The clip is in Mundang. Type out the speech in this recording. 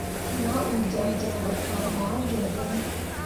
Nah uu jaŋjaŋ ɓe kpak moah joŋ ɗene.